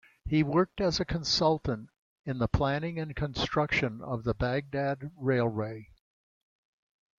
He worked as a consultant in the planning and construction of the Baghdad Railway.